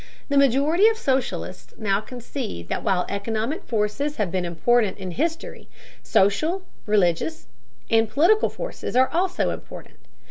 The majority of socialists now concede that while economic forces have been important in history, social, religious, and political forces are also important.